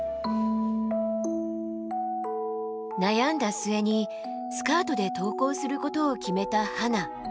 悩んだ末にスカートで登校することを決めたハナ。